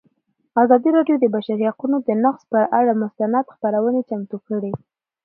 ازادي راډیو د د بشري حقونو نقض پر اړه مستند خپرونه چمتو کړې.